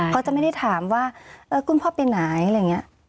เขาจะไม่ได้ถามว่าคุณพ่อไปไหนอะไรอย่างนี้